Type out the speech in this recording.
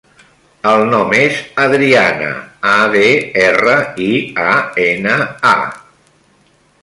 El nom és Adriana: a, de, erra, i, a, ena, a.